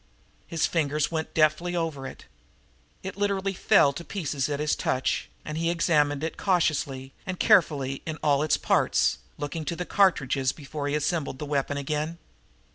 His fingers went deftly over it. It literally fell to pieces at his touch, and he examined it cautiously and carefully in all its parts, looking to the cartridges before he assembled the weapon again.